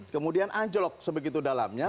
kemudian anjlok sebegitu dalamnya